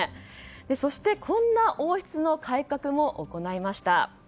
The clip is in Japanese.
そしてこんな王室の改革も行いました。